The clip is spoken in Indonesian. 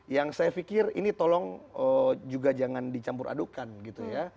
yang saya pikir ini tolong juga jangan dicampur adukan gitu ya